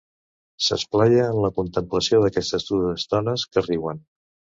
S'esplaia en la contemplació d'aquestes dues dones que riuen.